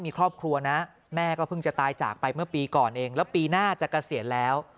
มีครอบครัวนะแม่ก็เพิ่งจะตายจากไปเมื่อปีก่อนเองแล้วปีหน้าจะเกษียณแล้ว